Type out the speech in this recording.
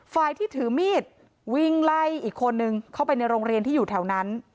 ฝ่ายที่ถือมีดวิ่งไล่อีกคนนึงเข้าไปในโรงเรียนที่อยู่แถวนั้น